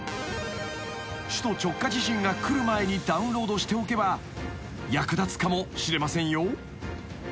［首都直下地震が来る前にダウンロードしておけば役立つかもしれませんよ］